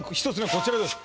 こちらです